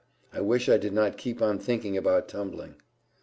I wish I did not keep on thinking about tumbling."